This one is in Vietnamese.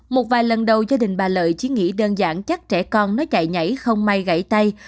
một vài lần đầu gia đình bà lợi chỉ nghĩ đơn giản chắc trẻ con nó chạy nhảy không may gãy tay